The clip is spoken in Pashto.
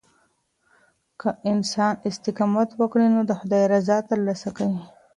که انسان استقامت وکړي، د خداي رضا ترلاسه کوي.